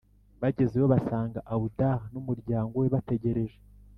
bagezeyo, basanga abdallah n'umuryango we bategereje.